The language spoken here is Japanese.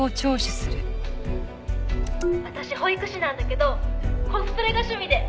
「私保育士なんだけどコスプレが趣味で」